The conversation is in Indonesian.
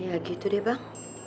ya gitu deh bang